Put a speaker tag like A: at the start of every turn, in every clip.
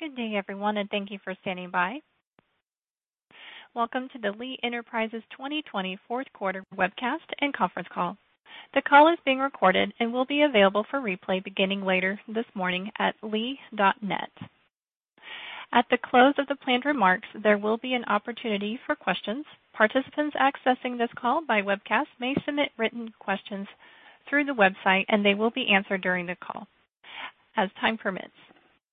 A: Good day, everyone, and thank you for standing by. Welcome to the Lee Enterprises 2020 fourth quarter webcast and conference call. The call is being recorded and will be available for replay beginning later this morning at lee.net. At the close of the planned remarks, there will be an opportunity for questions. Participants accessing this call by webcast may submit written questions through the website, and they will be answered during the call as time permits.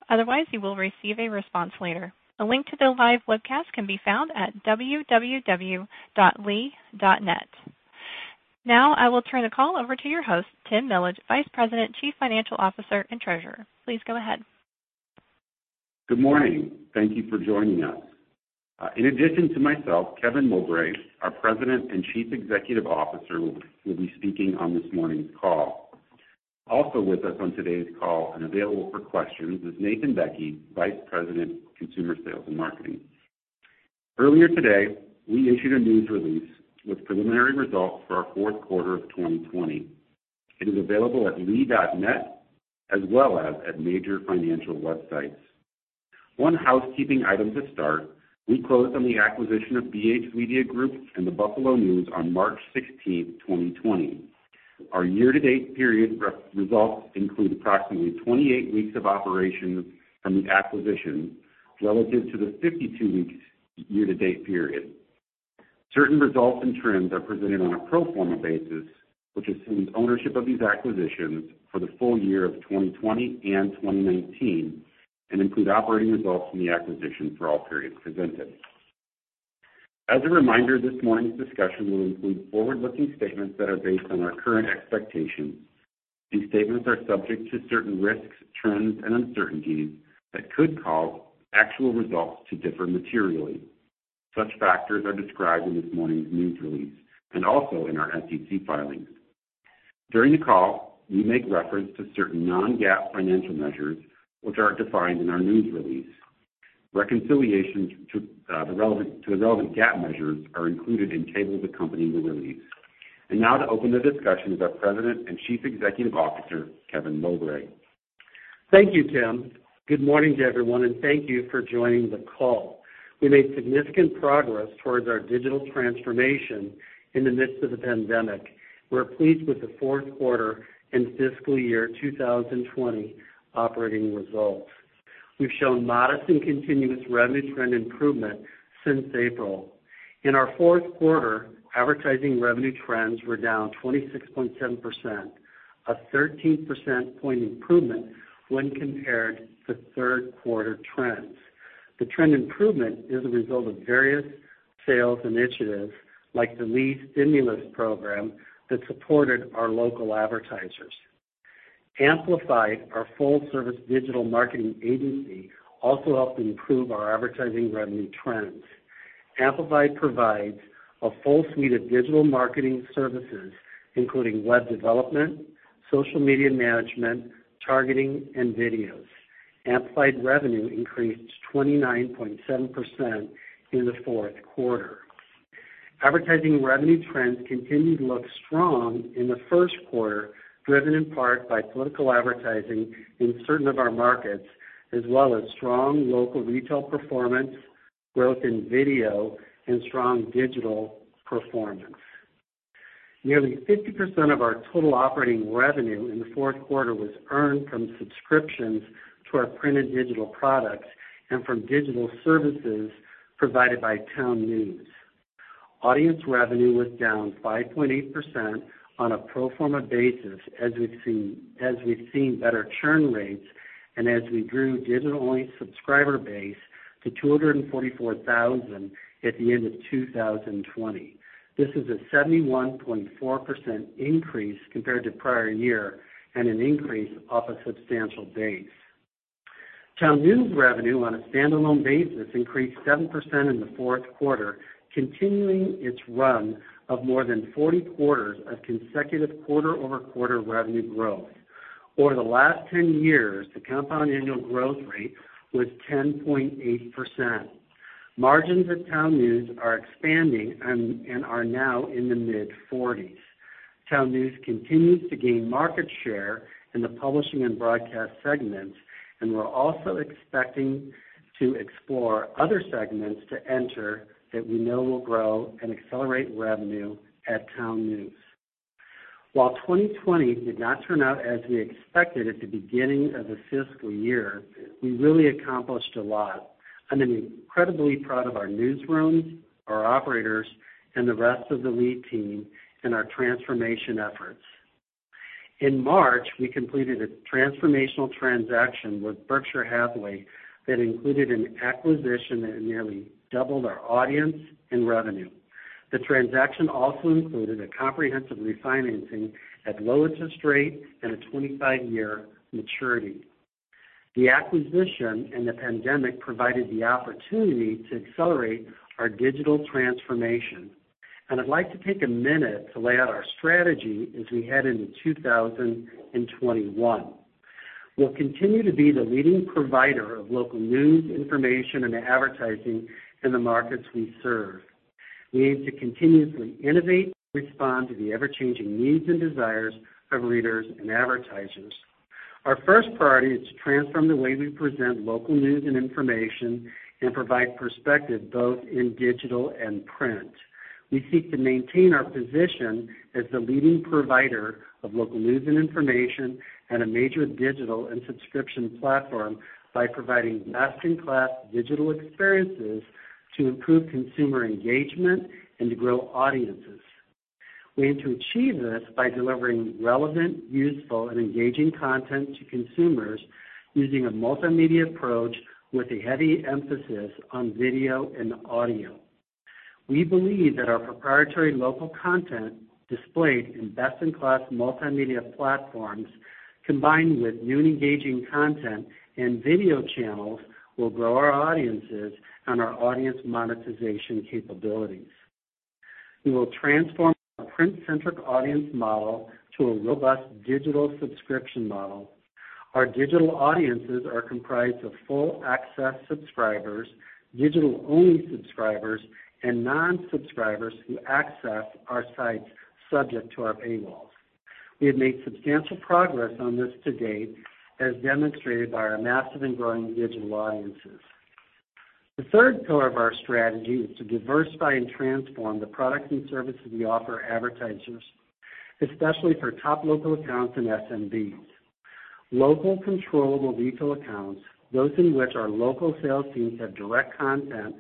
A: Otherwise, you will receive a response later. A link to the live webcast can be found at www.lee.net. Now I will turn the call over to your host, Tim Millage, Vice President, Chief Financial Officer, and Treasurer. Please go ahead.
B: Good morning. Thank you for joining us. In addition to myself, Kevin Mowbray, our President and Chief Executive Officer, will be speaking on this morning's call. Also with us on today's call and available for questions is Nathan Bekke, Vice President, Consumer Sales and Marketing. Earlier today, we issued a news release with preliminary results for our fourth quarter of 2020. It is available at lee.net as well as at major financial websites. One housekeeping item to start, we closed on the acquisition of BH Media Group and The Buffalo News on March 16th, 2020. Our year-to-date period results include approximately 28 weeks of operation from the acquisition relative to the 52-week year-to-date period. Certain results and trends are presented on a pro forma basis, which assumes ownership of these acquisitions for the full year of 2020 and 2019 and include operating results from the acquisition for all periods presented. As a reminder, this morning's discussion will include forward-looking statements that are based on our current expectations. These statements are subject to certain risks, trends, and uncertainties that could cause actual results to differ materially. Such factors are described in this morning's news release and also in our SEC filings. During the call, we make reference to certain non-GAAP financial measures which are defined in our news release. Reconciliations to the relevant GAAP measures are included in tables accompanying the release. Now to open the discussion is our President and Chief Executive Officer, Kevin Mowbray.
C: Thank you, Tim. Good morning to everyone, and thank you for joining the call. We made significant progress towards our digital transformation in the midst of the pandemic. We're pleased with the fourth quarter and fiscal year 2020 operating results. We've shown modest and continuous revenue trend improvement since April. In our fourth quarter, advertising revenue trends were down 26.7%, a 13 percentage point improvement when compared to third quarter trends. The trend improvement is a result of various sales initiatives like the Lee Stimulus Program that supported our local advertisers. Amplified, our full-service digital marketing agency, also helped improve our advertising revenue trends. Amplified provides a full suite of digital marketing services, including web development, social media management, targeting, and videos. Amplified revenue increased 29.7% in the fourth quarter. Advertising revenue trends continue to look strong in the first quarter, driven in part by political advertising in certain of our markets, as well as strong local retail performance, growth in video, and strong digital performance. Nearly 50% of our total operating revenue in the fourth quarter was earned from subscriptions to our print and digital products and from digital services provided by TownNews. Audience revenue was down 5.8% on a pro forma basis as we've seen better churn rates and as we grew digitally subscriber base to 244,000 at the end of 2020. This is a 71.4% increase compared to prior year and an increase off a substantial base. TownNews revenue on a standalone basis increased 7% in the fourth quarter, continuing its run of more than 40 quarters of consecutive quarter-over-quarter revenue growth. Over the last 10 years, the compound annual growth rate was 10.8%. Margins at TownNews are expanding and are now in the mid-40s. TownNews continues to gain market share in the publishing and broadcast segments. We're also expecting to explore other segments to enter that we know will grow and accelerate revenue at TownNews. While 2020 did not turn out as we expected at the beginning of the fiscal year, we really accomplished a lot. I'm incredibly proud of our newsrooms, our operators, and the rest of the Lee team in our transformation efforts. In March, we completed a transformational transaction with Berkshire Hathaway that included an acquisition that nearly doubled our audience and revenue. The transaction also included a comprehensive refinancing at low interest rate and a 25-year maturity. The acquisition and the pandemic provided the opportunity to accelerate our digital transformation. I'd like to take a minute to lay out our strategy as we head into 2021. We'll continue to be the leading provider of local news, information, and advertising in the markets we serve. We aim to continuously innovate and respond to the ever-changing needs and desires of readers and advertisers. Our first priority is to transform the way we present local news and information and provide perspective, both in digital and print. We seek to maintain our position as the leading provider of local news and information and a major digital and subscription platform by providing best-in-class digital experiences to improve consumer engagement and to grow audiences. We aim to achieve this by delivering relevant, useful, and engaging content to consumers using a multimedia approach with a heavy emphasis on video and audio. We believe that our proprietary local content displayed in best-in-class multimedia platforms, combined with new and engaging content and video channels, will grow our audiences and our audience monetization capabilities. We will transform our print-centric audience model to a robust digital subscription model. Our digital audiences are comprised of full access subscribers, digital-only subscribers, and non-subscribers who access our sites subject to our paywalls. We have made substantial progress on this to date, as demonstrated by our massive and growing digital audiences. The third pillar of our strategy is to diversify and transform the products and services we offer advertisers, especially for top local accounts and SMBs. Local controllable retail accounts, those in which our local sales teams have direct contact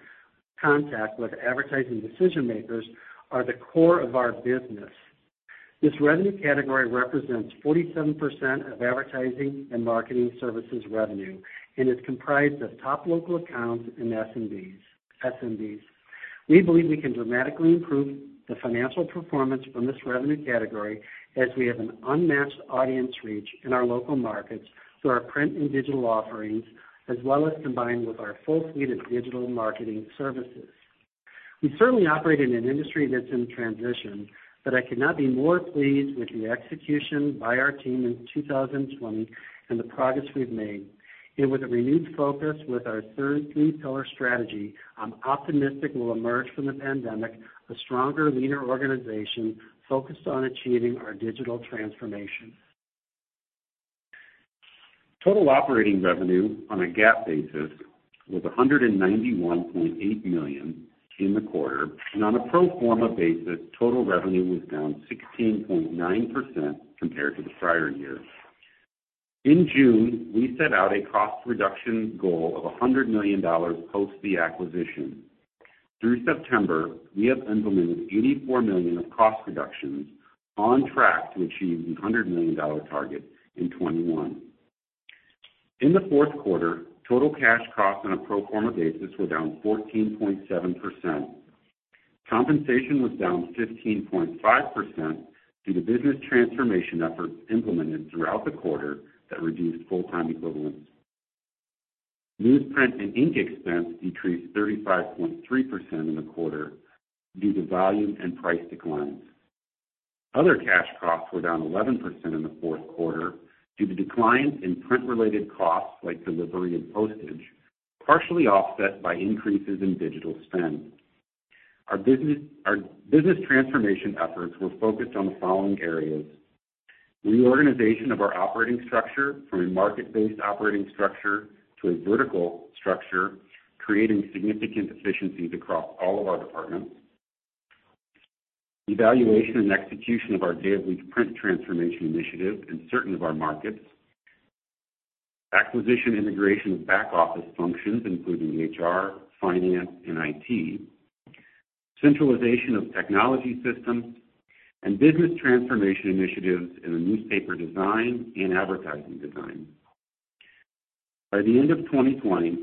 C: with advertising decision-makers, are the core of our business. This revenue category represents 47% of advertising and marketing services revenue and is comprised of top local accounts and SMBs. We believe we can dramatically improve the financial performance from this revenue category, as we have an unmatched audience reach in our local markets through our print and digital offerings, as well as combined with our full suite of digital marketing services. We certainly operate in an industry that's in transition, but I could not be more pleased with the execution by our team in 2020 and the progress we've made. With a renewed focus with our three-pillar strategy, I'm optimistic we'll emerge from the pandemic a stronger, leaner organization focused on achieving our digital transformation.
B: Total operating revenue on a GAAP basis was $191.8 million in the quarter. On a pro forma basis, total revenue was down 16.9% compared to the prior year. In June, we set out a cost reduction goal of $100 million post the acquisition. Through September, we have implemented $84 million of cost reductions, on track to achieve the $100 million target in 2021. In the fourth quarter, total cash costs on a pro forma basis were down 14.7%. Compensation was down 15.5% due to business transformation efforts implemented throughout the quarter that reduced full-time equivalents. Newsprint and ink expense decreased 35.3% in the quarter due to volume and price declines. Other cash costs were down 11% in the fourth quarter due to declines in print-related costs, like delivery and postage, partially offset by increases in digital spend. Our business transformation efforts were focused on the following areas: Reorganization of our operating structure from a market-based operating structure to a vertical structure, creating significant efficiencies across all of our departments. Evaluation and execution of our day and week print transformation initiative in certain of our markets. Acquisition integration of back-office functions, including HR, finance, and IT. Centralization of technology systems. Business transformation initiatives in the newspaper design and advertising design. By the end of 2020,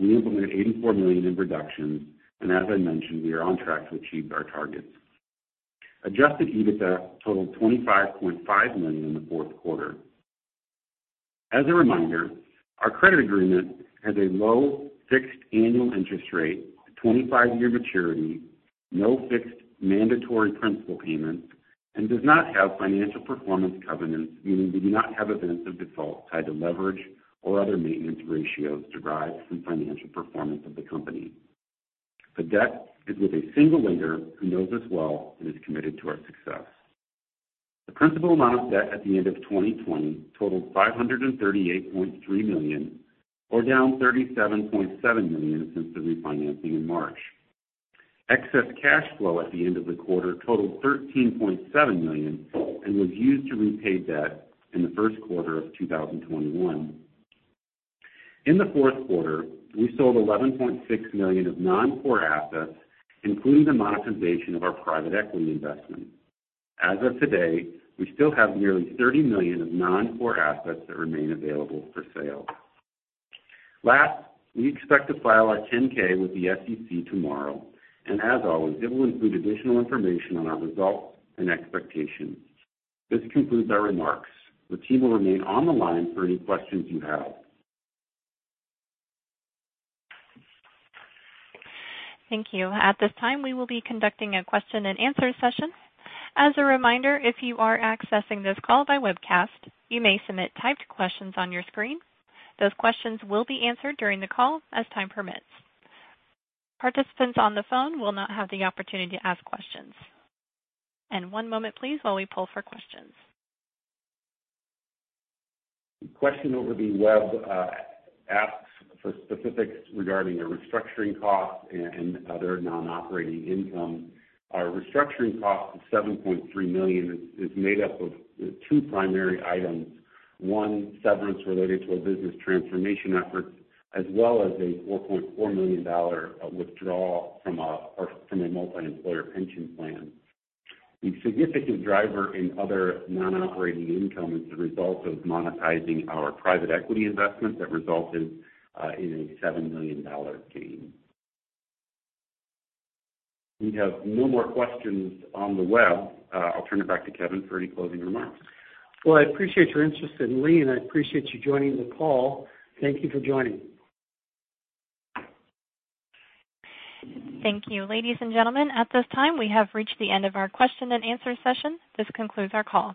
B: we implemented $84 million in reductions, and as I mentioned, we are on track to achieve our targets. Adjusted EBITDA totaled $25.5 million in the fourth quarter. As a reminder, our credit agreement has a low fixed annual interest rate, a 25-year maturity, no fixed mandatory principal payments, and does not have financial performance covenants, meaning we do not have events of default tied to leverage or other maintenance ratios derived from financial performance of the company. The debt is with a single lender who knows us well and is committed to our success. The principal amount of debt at the end of 2020 totaled $538.3 million, or down $37.7 million since the refinancing in March. Excess cash flow at the end of the quarter totaled $13.7 million and was used to repay debt in the first quarter of 2021. In the fourth quarter, we sold $11.6 million of non-core assets, including the monetization of our private equity investment. As of today, we still have nearly $30 million of non-core assets that remain available for sale. Last, we expect to file our 10-K with the SEC tomorrow, and as always, it will include additional information on our results and expectations. This concludes our remarks. The team will remain on the line for any questions you have.
A: Thank you. At this time, we will be conducting a question-and-answer session. As a reminder, if you are accessing this call by webcast, you may submit typed questions on your screen. Those questions will be answered during the call as time permits. Participants on the phone will not have the opportunity to ask questions. One moment, please, while we pull for questions.
B: Question over the web asks for specifics regarding the restructuring costs and other non-operating income. Our restructuring cost of $7.3 million is made up of two primary items. One, severance related to our business transformation efforts, as well as a $4.4 million withdrawal from a multi-employer pension plan. The significant driver in other non-operating income is the result of monetizing our private equity investment that resulted in a $7 million gain. We have no more questions on the web. I'll turn it back to Kevin for any closing remarks.
C: Well, I appreciate your interest in Lee, and I appreciate you joining the call. Thank you for joining.
A: Thank you. Ladies and gentlemen, at this time, we have reached the end of our question-and-answer session. This concludes our call.